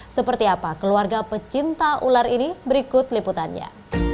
seperti apa keluarga pecinta ular ini berikut liputannya